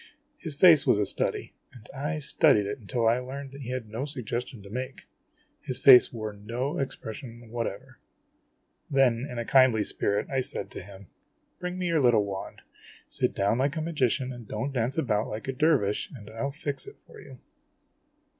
His face was a study, and I studied it until I learned that he had no suggestion to make. His face wore no expression whatever. Then, in a kindly spirit, I said to him: "Bring me your little THE ASTROLOGER S NIECE 93 wand. Sit down like a magician, and don't dance about like a der vish, and I '11 fix it for you."